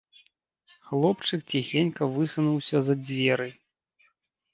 Хлопчык ціхенька высунуўся за дзверы.